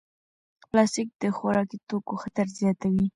پلاستیک د خوراکي توکو خطر زیاتوي.